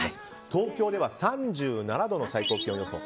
東京では３７度の最高気温予想。